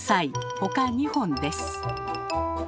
ほか２本です。